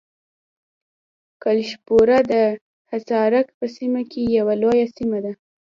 کلشپوره د حصارک په سیمه کې یوه لویه سیمه ده.